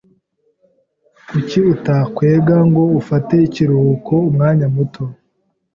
Kuki utakwega ngo ufate ikiruhuko umwanya muto?